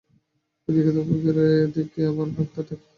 এ দিকে তোকে ঘরে এনেছেন, ও দিকে আবার ডাক্তার ডাকিয়ে ওষুধও খাওয়া চলছে।